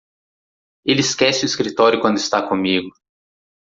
Ele esquece o escritório quando está comigo.